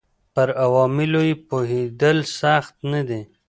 پر عواملو یې پوهېدل سخت نه دي.